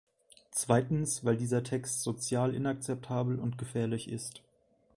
Zweitens weil dieser Text sozial inakzeptabel und gefährlich ist.